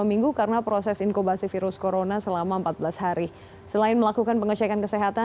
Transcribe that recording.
insya allah kami dalam keadaan sehat